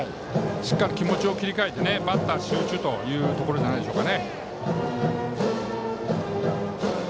しっかり気持ちを切り替えてバッター集中というところじゃないでしょうか。